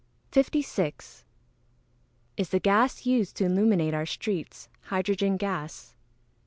56. _Is the gas used to illuminate our streets, hydrogen gas?